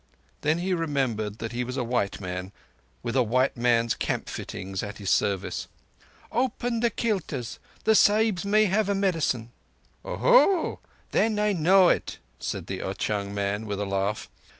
Then he remembered that he was a white man, with a white man's camp fittings at his service. "Open the kiltas! The Sahibs may have a medicine." "Oho! Then I know it," said the Ao chung man with a laugh.